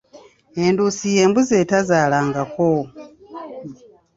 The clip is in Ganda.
Enduusi y’embuzzi atazaalangako.